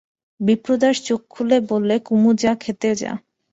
বিপ্রদাস চোখ খুলে বললে, কুমু, যা খেতে যা।